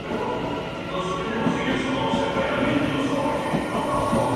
Además de varias críticas sobre trabajos artísticos en periódicos y revistas.